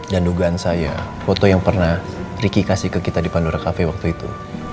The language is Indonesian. dan dugaan saya foto yang pernah ricky kasih ke kita di pandora cafe waktu itu